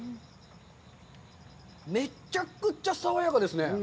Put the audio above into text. めちゃくちゃ爽やかですね！